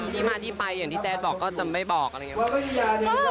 ที่มาที่ไปอย่างที่แจ๊ดบอกก็จะไม่บอกอะไรอย่างนี้